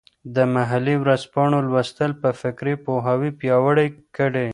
د محلي ورځپاڼو لوستل به فکري پوهاوي پیاوړی کړي.